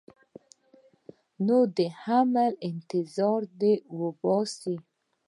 نو د حملې انتظار دې وباسي.